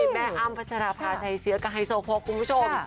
แม่อำปัชราผ่าไทยเซียกับไฮโซพกคุณผู้ชม